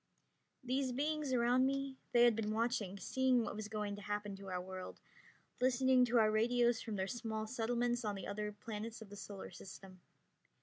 These beings around me, they had been watching, seeing what was going to happen to our world, listening to our radios from their small settlements on the other planets of the Solar System.